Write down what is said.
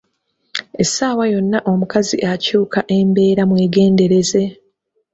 Essaawa yonna omukazi akyuka embeera mwegendereze.